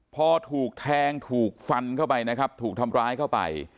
พอถูกแทงถูกฟันเข้าไปนะครับถูกทำร้ายเข้าไป